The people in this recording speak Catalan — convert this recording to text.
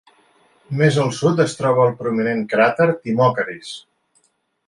Més al sud es troba el prominent cràter Timocharis